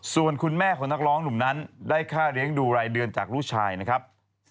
ส่วนคุณแม่ของนักร้องหนุ่มนั้นได้ค่าเลี้ยงดูรายเดือนจากลูกชายนะครับ